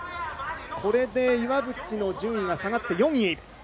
これで岩渕の順位が下がり４位。